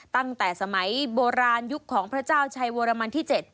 ตั้งแต่สมัยโบราณยุคของพระเจ้าชัยวรมันที่๗